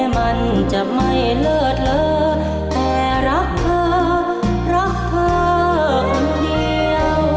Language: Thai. มันจะไม่เลิศเลอแต่รักเธอรักเธอคนเดียว